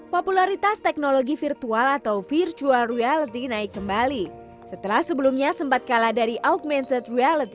popularitas teknologi virtual atau virtual reality naik kembali setelah sebelumnya sempat kalah dari augmented reality